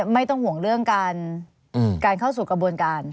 ไม่ต้องห่วงเรื่องการเข้าสู่กระบวนการ